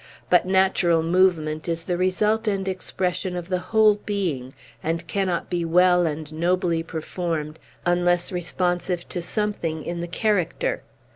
But natural movement is the result and expression of the whole being, and cannot be well and nobly performed unless responsive to something in the character.